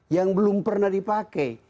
yang belum pernah dipakai